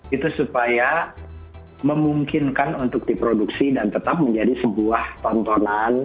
itu supaya memungkinkan untuk diproduksi dan tetap menjadi sebuah tontonan